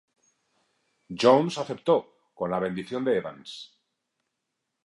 Jones aceptó, con la bendición de Evans.